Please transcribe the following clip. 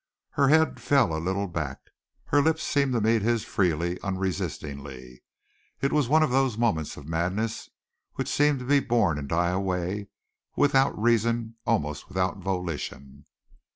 Her head fell a little back, her lips seemed to meet his freely, unresistingly. It was one of those moments of madness which seem to be born and die away, without reason, almost without volition.